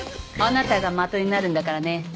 あなたが的になるんだからね。